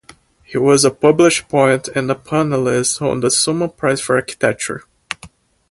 He was a published poet and a panellist on the Sulman Prize for Architecture.